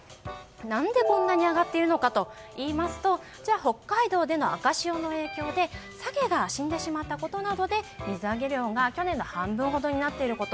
何で、こんなに上がっているのかといいますと北海道での赤潮の影響でサケが死んでしまったことなどで水揚げ量が去年の半分ほどになっていること。